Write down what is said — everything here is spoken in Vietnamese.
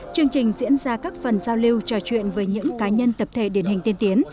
chương trình diễn ra các phần giao lưu trò chuyện với những cá nhân tập thể điển hình tiên tiến